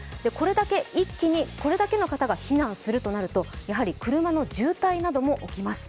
そしてこれだけの方が避難するとなると、やはり車の渋滞なども起きます。